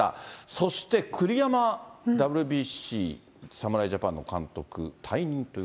そして栗山ＷＢＣ、侍ジャパンの監督、退任と。